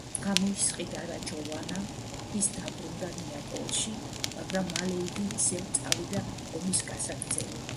გამოისყიდა რა ჯოვანამ, ის დაბრუნდა ნეაპოლში, მაგრამ მალე იგი ისევ წავიდა ომის გასაგრძელებლად.